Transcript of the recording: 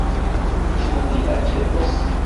Ĉu vi aĉetos?